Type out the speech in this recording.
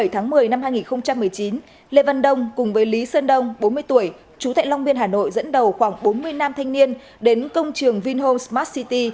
tháng một mươi năm hai nghìn một mươi chín lê văn đông cùng với lý sơn đông bốn mươi tuổi chú tại long biên hà nội dẫn đầu khoảng bốn mươi nam thanh niên đến công trường vinhome smart city